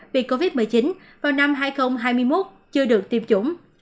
vì covid một mươi chín vào năm hai nghìn hai mươi một chưa được tiêm chủng